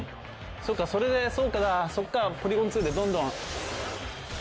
そうかそれでそうかそこからポリゴン２でどんどん。